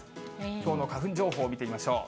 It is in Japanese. きょうの花粉情報を見てみましょう。